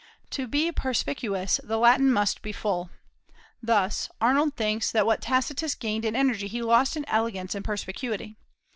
To be perspicuous, the Latin must be full. Thus Arnold thinks that what Tacitus gained in energy he lost in elegance and perspicuity.